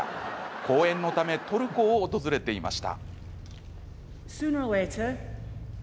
講演のためトルコを訪れていました。